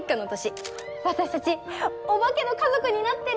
私たちオバケの家族になってる！